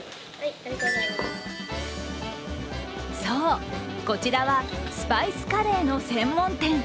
そう、こちらはスパイスカレーの専門店。